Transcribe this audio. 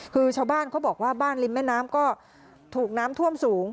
คือชาวบ้านเขาบอกว่าบ้านริมแม่น้ำก็ถูกน้ำท่วมสูง